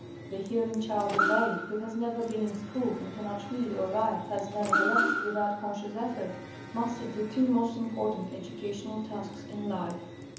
The hearing child of eight who has never been in school and cannot read or write has, nevertheless, without conscious effort, mastered the two most important educational tasks in life.